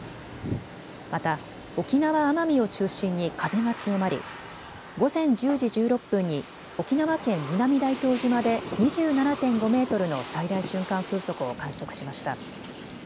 また沖縄・奄美を中心に風が強まり、午前１０時１６分に沖縄県南大東島で２７．５メートルの最大瞬間風速を観測しました。